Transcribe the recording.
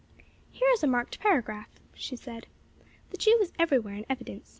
"Here is a marked paragraph," she said. "'The Jew is everywhere in evidence.